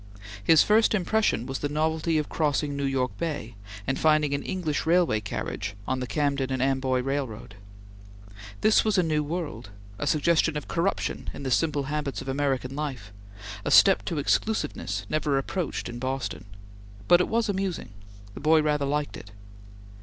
His first impression was the novelty of crossing New York Bay and finding an English railway carriage on the Camden and Amboy Railroad. This was a new world; a suggestion of corruption in the simple habits of American life; a step to exclusiveness never approached in Boston; but it was amusing. The boy rather liked it.